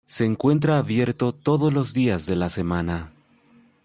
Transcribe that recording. Se encuentra abierto todos los días de la semana.